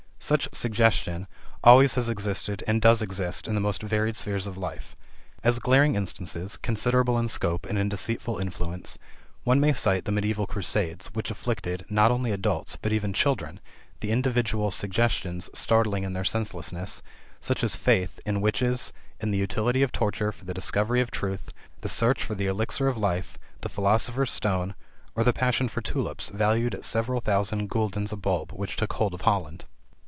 Such "suggestion" always has existed and does exist in the most varied spheres of life. As glaring instances, considerable in scope and in deceitful influence, one may cite the medieval Crusades which afflicted, not only adults, but even children, and the individual "suggestions," startling in their senselessness, such as faith in witches, in the utility of torture for the discovery of the truth, the search for the elixir of life, the philosopher's stone, or the passion for tulips valued at several thousand guldens a bulb which took hold of Holland.